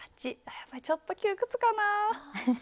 やっぱりちょっと窮屈かなぁ？